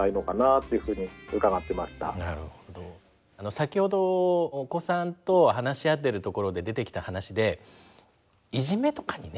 先ほどお子さんと話し合ってるところで出てきた話でいじめとかにねつながるんじゃないかっていう。